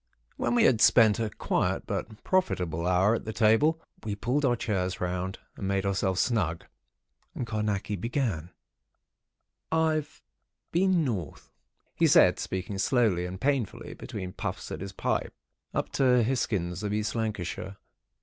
When we had spent a quiet but profitable hour at the table, we pulled our chairs round, and made ourselves snug; and Carnacki began:— "I've been North," he said, speaking slowly and painfully, between puffs at his pipe. "Up to Hisgins of East Lancashire.